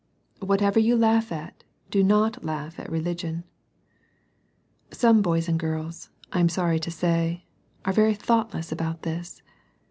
Whatever you laugh at, do not laugh at religion. Some boys and girls, I am sorry to say, are very thoughtless about this.